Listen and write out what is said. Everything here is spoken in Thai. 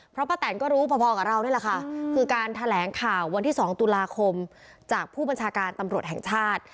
เพราะป้าแตนก็รู้พอกับเรานี่แหละค่ะคือการแถลงข่าววันที่๒ตุลาคมจากผู้บัญชาการตำรวจแห่งชาติ